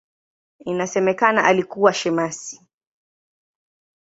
Inasemekana alikuwa shemasi.